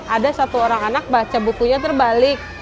ada satu orang anak baca bukunya terbalik